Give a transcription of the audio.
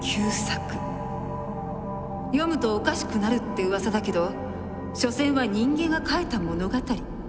読むとおかしくなるって噂だけどしょせんは人間が書いた物語。